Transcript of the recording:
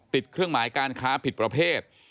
เครื่องหมายการค้าผิดประเภท